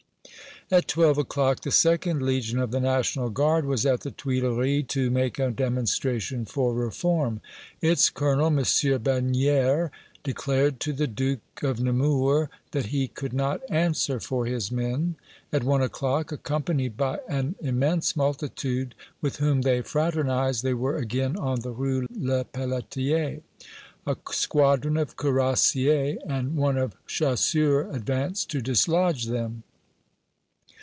At twelve o'clock the 2d Legion of the National Guard was at the Tuileries to make a demonstration for reform. Its colonel, M. Bagnières, declared to the Duke of Nemours that he could not answer for his men. At one o'clock, accompanied by an immense multitude, with whom they fraternized, they were again on the Rue Lepelletier. A squadron of cuirassiers and one of chasseurs advanced to dislodge them.